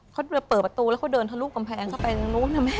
เขาเลยเปิดประตูแล้วเขาเดินทะลุกำแพงเข้าไปตรงนู้นนะแม่